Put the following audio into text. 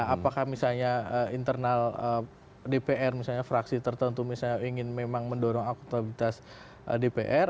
apakah misalnya internal dpr misalnya fraksi tertentu misalnya ingin memang mendorong akutabilitas dpr